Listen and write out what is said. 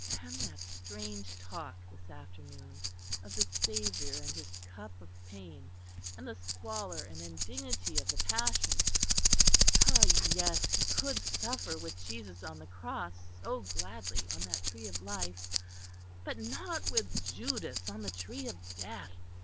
And that strange talk this afternoon, of the Saviour and His Cup of pain, and the squalor and indignity of the Passion! Ah! yes, he could suffer with Jesus on the Cross, so gladly, on that Tree of Life but not with Judas on the Tree of Death!